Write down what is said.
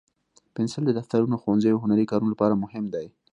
پنسل د دفترونو، ښوونځیو، او هنري کارونو لپاره مهم دی.